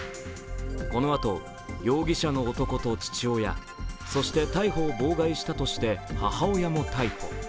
このあと、容疑者の男と父親、そして逮捕を妨害したとして母親も逮捕。